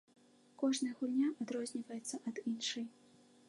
Кожная гульня адрозніваецца ад іншай.